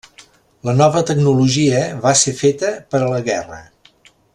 La nova tecnologia va ser feta per a la guerra.